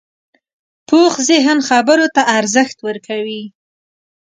پوخ ذهن خبرو ته ارزښت ورکوي